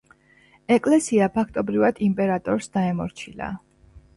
ეკლესია ფაქტობრივად იმპერატორს დაემორჩილა.